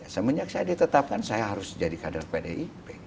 semenjak saya ditetapkan saya harus jadi kader pdip